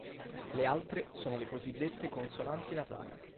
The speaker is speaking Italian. Le altre sono le cosiddette consonanti nasali.